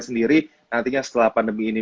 sendiri nantinya setelah pandemi ini